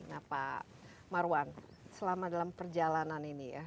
nah pak marwan selama dalam perjalanan ini ya